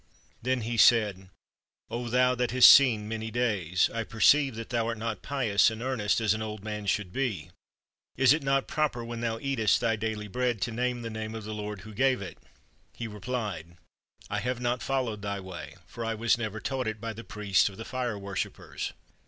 Then he said :" O thou that hast seen many days, I perceive that thou art not pious and earnest as an old man should be. Is it not proper when thou eatest thy daily bread, to name the name of the Lord who gave it?" He replied: "I have not followed thy way, for I was never taught it by the priest of the Fire Worshipers."